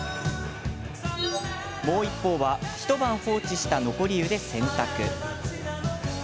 もう一方は一晩放置した残り湯で洗濯。